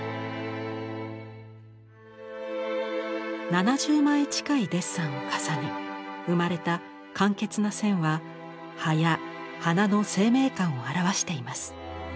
７０枚近いデッサンを重ね生まれた簡潔な線は葉や花の生命感を表しています。